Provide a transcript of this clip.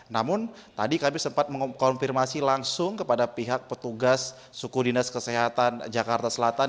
namun tadi kami sempat mengkonfirmasi langsung kepada pihak petugas suku dinas kesehatan jakarta selatan